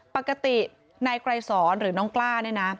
ปกตินายไกรสอนหรือน้องกล้าเนี่ยนะ